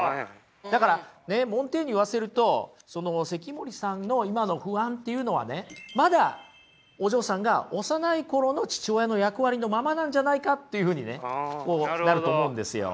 だからねモンテーニュに言わせると関森さんの今の不安っていうのはねまだお嬢さんが幼い頃の父親の役割のままなんじゃないかっていうふうにねなると思うんですよ。